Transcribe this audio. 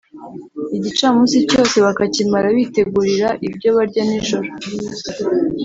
igicamunsi cyose bakakimara bitegurira ibyo barya nijoro